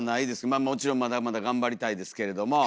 まあもちろんまだまだ頑張りたいですけれども。